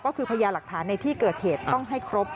ก็คือพยาหลักฐานในที่เกิดเหตุต้องให้ครบ